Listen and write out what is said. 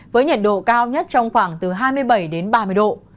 với nhiệt độ cao nhất trong khoảng từ hai mươi bảy đến ba mươi độ